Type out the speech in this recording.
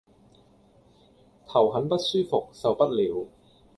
頭很不舒服，受不了